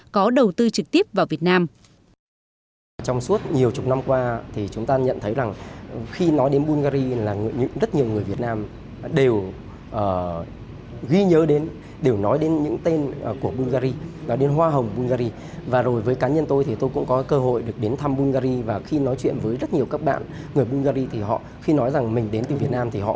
các quốc gia và vùng lãnh thổ có đầu tư trực tiếp vào việt nam